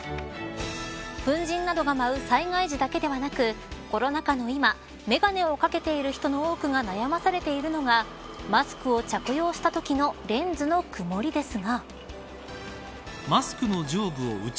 粉じんなどが舞う災害時だけでなくコロナ禍の今、眼鏡をかけている人の多くが悩まされているのがマスクを着用したときのレンズのくもりですが。